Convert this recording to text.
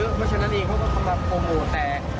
เพราะฉะนั้นเขาก็มาโปรโมเท